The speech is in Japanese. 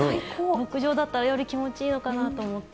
牧場だったら、より気持ちいいのかなと思って。